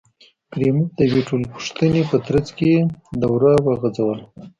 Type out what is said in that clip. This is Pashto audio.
کریموف د یوې ټولپوښتنې په ترڅ کې دوره وغځوله.